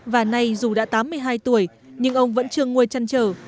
và nay dù đã tám mươi hai tuổi nhưng ông vẫn chưa nguôi chăn trở